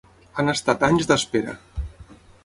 Han estat anys d’espera.